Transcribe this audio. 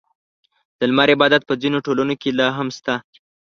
• د لمر عبادت په ځینو ټولنو کې لا هم شته.